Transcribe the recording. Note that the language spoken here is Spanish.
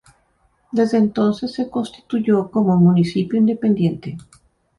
Desde entonces se constituyó como un municipio independiente.